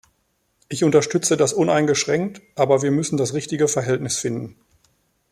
Ich unterstütze das uneingeschränkt, aber wir müssen das richtige Verhältnis finden.